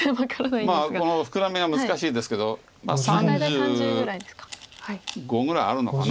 まあこのフクラミは難しいですけど３５ぐらいあるのかな。